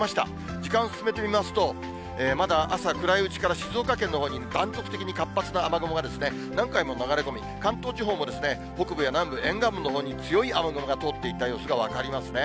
時間進めてみますと、まだ朝暗いうちから静岡県のほうに、断続的に活発な雨雲が何回も流れ込み、関東地方も、北部や南部、沿岸部のほうに強い雨雲が通っていた様子が分かりますね。